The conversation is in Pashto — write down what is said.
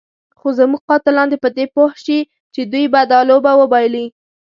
خو زموږ قاتلان دې په دې پوه شي چې دوی به دا لوبه وبایلي.